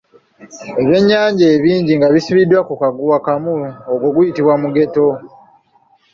Ebyennyanja ebingi nga bisibiddwa ku kaguwa kamu ogwo guba Mugeto.